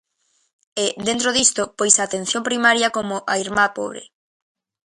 E, dentro disto, pois a atención primaria como a irmá pobre.